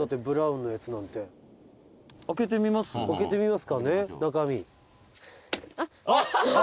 「開けてみますかね中身」